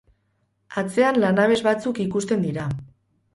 Atzean lanabes batzuk ikusten dira.